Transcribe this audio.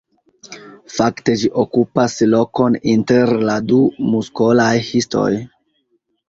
Fakte ĝi okupas lokon inter la du muskolaj histoj.